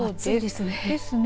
暑いですね。